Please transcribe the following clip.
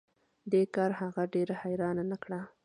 دې کار هغه ډیره حیرانه نه کړه